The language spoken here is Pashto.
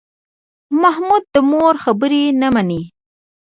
محمود د مور خبرې نه مني.